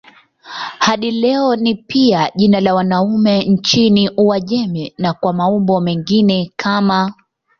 Hadi leo ni pia jina la wanaume nchini Uajemi na kwa maumbo mengine kama